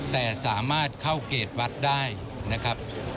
แต่สามารถเข้าเกรดวัดได้นะครับ